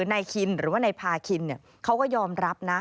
นายคินหรือว่านายพาคินเขาก็ยอมรับนะ